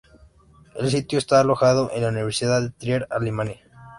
El sitio está alojado en la Universidad de Trier, Alemania.